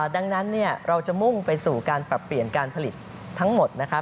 ดังนั้นเราจะมุ่งไปสู่การปรับเปลี่ยนการผลิตทั้งหมดนะคะ